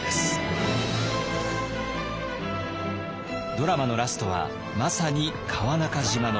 ドラマのラストはまさに川中島の戦い。